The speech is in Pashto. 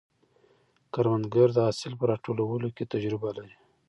کروندګر د حاصل په راټولولو کې تجربه لري